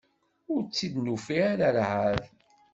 Ur tt-id-nufi ara ɛad.